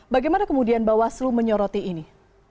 bagaimana kemudian bawaslu menyoroti ini